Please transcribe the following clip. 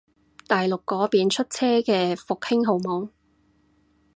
大陸嗰邊出車嘅復興號冇